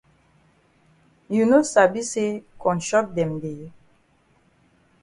You no sabi say konshot dem dey?